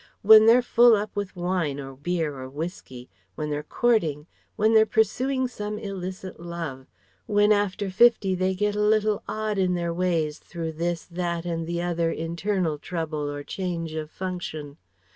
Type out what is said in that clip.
When they're full up with wine or beer or whiskey, when they're courting, when they're pursuing some illicit love, when after fifty they get a little odd in their ways through this, that and the other internal trouble or change of function?